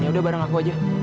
yaudah bareng aku aja